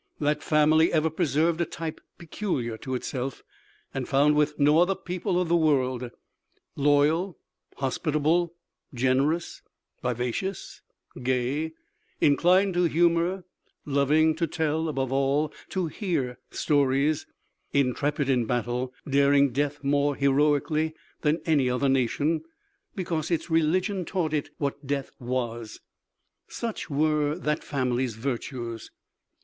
That family ever preserved a type peculiar to itself, and found with no other people of the world. Loyal, hospitable, generous, vivacious, gay, inclined to humor, loving to tell, above all, to hear stories, intrepid in battle, daring death more heroically than any other nation, because its religion taught it what death was such were that family's virtues.